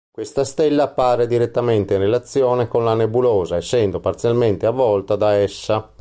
Questa stella appare direttamente in relazione con la nebulosa, essendo parzialmente avvolta da essa.